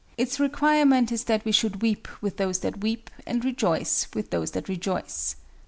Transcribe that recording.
Its requirement is that we should weep with those that weep and rejoice with those that rejoice.